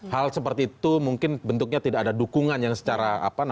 hal seperti itu mungkin bentuknya tidak ada dukungan yang secara apa namanya